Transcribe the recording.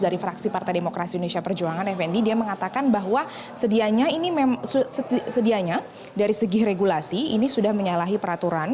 dari fraksi partai demokrasi indonesia perjuangan fnd dia mengatakan bahwa sedianya ini sedianya dari segi regulasi ini sudah menyalahi peraturan